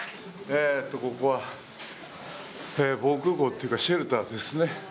ここは防空ごうというかシェルターですね。